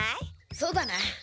そうだな。